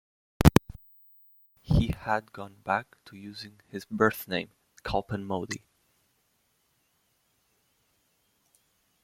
He had gone back to using his birth name, Kalpen Modi.